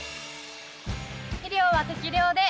肥料は適量で。